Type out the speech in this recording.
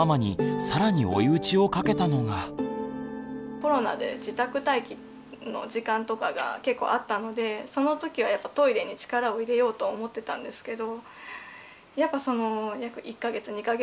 コロナで自宅待機の時間とかが結構あったのでその時はトイレに力を入れようとは思ってたんですけど